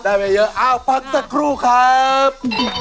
ได้ไปเยอะเอ้าฟังสักครู่ครับ